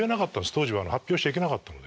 当時は発表しちゃいけなかったので。